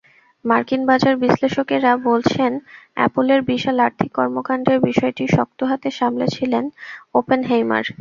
মার্কিন বাজার-বিশ্লেষকেরা বলছেন, অ্যাপলের বিশাল আর্থিক কর্মকাণ্ডের বিষয়টি শক্ত হাতে সামলেছিলেন ওপেনহেইমার।